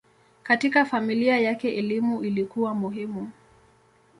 Katika familia yake elimu ilikuwa muhimu.